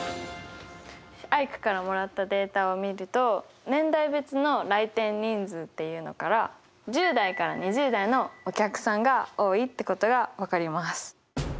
アイクからもらったデータを見ると年代別の来店人数っていうのから１０代から２０代のお客さんが多いってことが分かります。